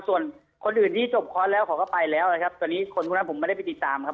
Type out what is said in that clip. ส่วนคนอื่นที่จบคอร์สแล้วเขาก็ไปแล้วนะครับตอนนี้คนพวกนั้นผมไม่ได้ไปติดตามครับ